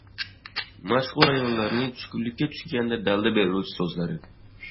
Mashhur ayollarning tushkunlikka tushganda dalda beruvchi so‘zlari